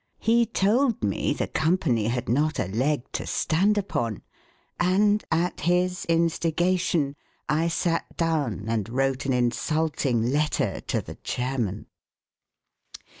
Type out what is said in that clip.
He told me the company had not a leg to stand upon, and at his instigation I sat down and wrote an insulting letter to the chairman.